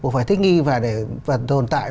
phải thích nghi và để tồn tại